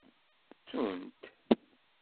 Ttun-t.